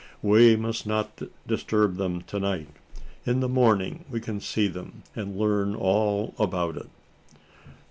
"We must not disturb them to night. In the morning, we can see them, and learn all about it."